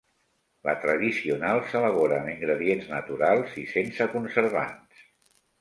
La tradicional s'elabora amb ingredients naturals i sense conservants.